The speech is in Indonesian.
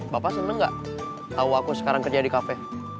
bapak seneng nggak tau aku sekarang kerja di kafe